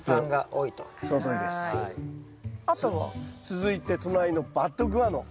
続いて隣のバットグアノ。